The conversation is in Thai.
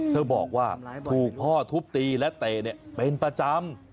เธอบอกว่าถูกพ่อทุบตีและเตะเป็นประจำ